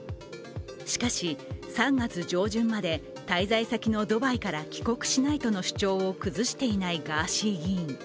しかし、３月上旬まで滞在先のドバイから帰国しないという主張を崩していないガーシー議員。